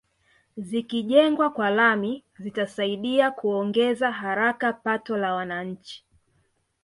Zikijengwa kwa lami zitasaidia kuongeza haraka pato la wananchi